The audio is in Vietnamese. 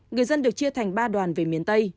người dân được chia thành ba đoàn về miền tây